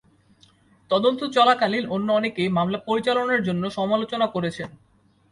তদন্ত চলাকালীন অন্য অনেকেই মামলা পরিচালনার জন্য সমালোচনা করেছেন।